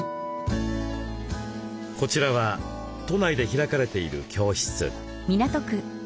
こちらは都内で開かれている教室。